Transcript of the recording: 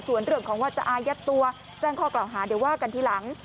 ส่วนเรื่องของว่าจะอายัดตัวแจ้งข้อกล่าวหาเดี๋ยวว่ากันทีหลัง